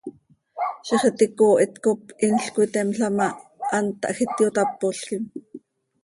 Ziix iti icoohit cop inl cöiteemla ma, hant tahjiit, yotápolquim.